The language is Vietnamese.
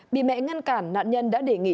bị mẹ ngăn cản nạn nhân đã đề nghị